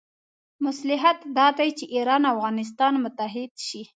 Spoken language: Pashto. مصلحت دا دی چې ایران او افغانستان متحد شي.